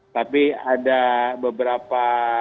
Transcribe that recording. tapi ada beberapa acara yang